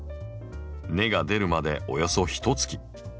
根が出るまでおよそひとつき。